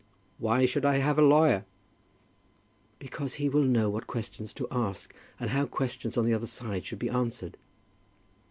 "Why should I have a lawyer?" "Because he will know what questions to ask, and how questions on the other side should be answered."